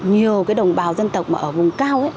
nhiều đồng bào dân tộc ở vùng cao